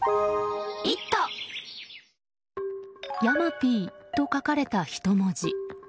山Ｐと書かれた人文字。